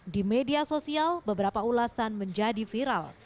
di media sosial beberapa ulasan menjadi viral